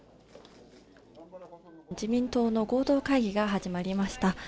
自民党の合同会議が始まりました。